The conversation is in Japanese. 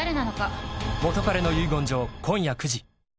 「元彼の遺言状」、今夜９時。